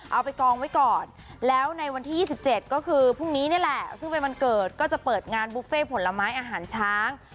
เอาไปกองไว้ก่อนแล้วในวันที่๒๗ก็คือพรุ่งนี้นี่แหละซึ่งเป็นวันเกิดก็จะเปิดงานบุฟเฟ่ผลไม้อาหารช้าง